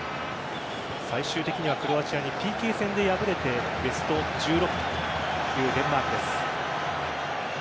最終的にはクロアチアにＰＫ戦で敗れてベスト１６というデンマークです。